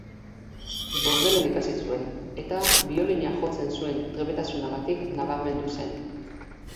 Bordelen ikasi zuen, eta biolina jotzen zuen trebetasunagatik nabarmendu zen.